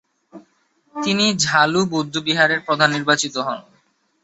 তিনি ঝ্বা-লু বৌদ্ধবিহারের প্রধান নির্বাচিত হন।